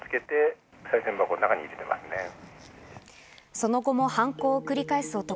その後も犯行を繰り返す男。